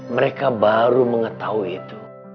mereka baru mengetahui itu